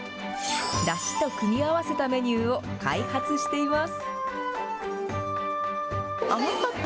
だしと組み合わせたメニューを開発しています。